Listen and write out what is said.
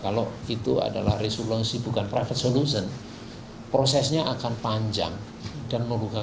kalau itu adalah resolusi bukan private solution prosesnya akan panjang dan merugakan birokrasi yang panjang